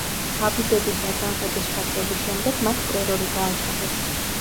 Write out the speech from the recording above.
ბაბიდების აჯანყების ჩაქრობის შემდეგ მათ ტერორი გააჩაღეს.